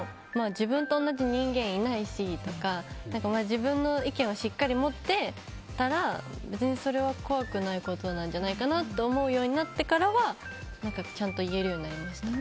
自分と同じ人間いないしとか自分の意見をしっかり持ってたら別にそれは怖くないことなんじゃないかなと思うようになってからはちゃんと言えるようになりました。